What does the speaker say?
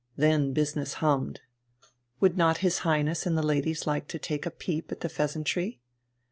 Then business hummed. Would not his Highness and the ladies like to take a peep at the "Pheasantry"?